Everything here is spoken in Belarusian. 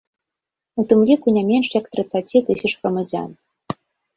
У тым ліку не менш як трыдцацці тысяч грамадзян.